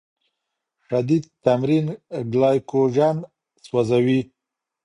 شدید تمرین ګلایکوجن سوځوي.